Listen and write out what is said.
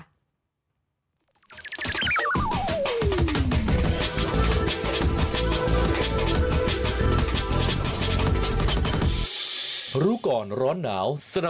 สวัสดีค่ะพบกับช่วงนี้สวัสดีค่ะ